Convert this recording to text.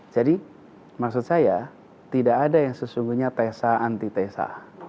jadi maksud saya tidak ada yang sesungguhnya tesa antitesa